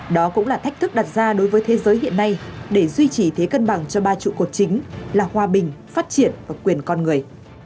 đó cũng là thách thức đặt ra đối với thế giới hiện nay để duy trì thế cân bằng cho ba trụ cột chính là hòa bình phát triển và quyền con người